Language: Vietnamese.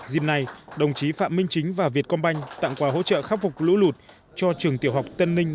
dìm nay đồng chí phạm minh chính và việt công banh tặng quà hỗ trợ khắc phục lũ lụt cho trường tiểu học tân ninh